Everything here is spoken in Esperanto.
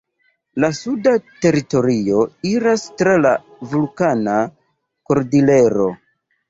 La suda teritorio iras tra la Vulkana Kordilero.